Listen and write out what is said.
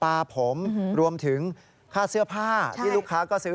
ผมรวมถึงค่าเสื้อผ้าที่ลูกค้าก็ซื้อ